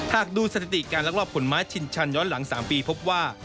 หากดูสถิติการลักลอบขนม้าชินชันย้อนหลัง๓ปีพบว่า